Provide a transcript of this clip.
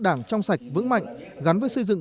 đảng trong sạch vững mạnh gắn với xây dựng